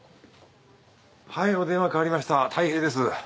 はいお電話代わりました太平です。